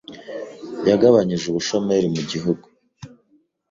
yagabanyije ubushomeri mu gihugu,